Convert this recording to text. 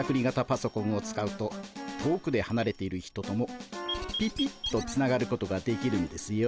パソコンを使うと遠くではなれている人ともピピッとつながることができるんですよ。